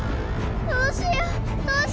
どうしよう？